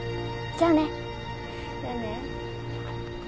じゃあね。